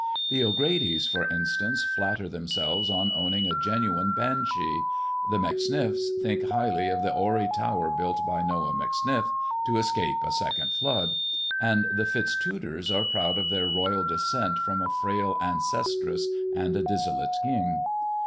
The radys, for instance, flatter themselves on owning a nine Banshee ; the Macsniffs think highly of the hoary 3r built by Noah MacsnifE to escape a second Flood ; the Fitztudors are proud of their royal descent from a '. ancestress and a dissolute king.